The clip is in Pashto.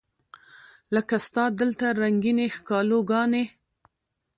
لکه ستا دلته رنګینې ښکالو ګانې